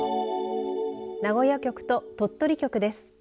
名古屋局と鳥取局です。